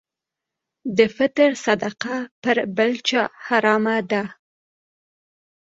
د فطر صدقه پر بل چا حرامه ده.